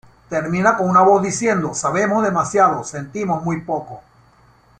Termina con una voz diciendo "sabemos demasiado, sentimos muy poco".